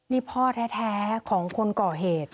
นี่พ่อแท้ของคนก่อเหตุ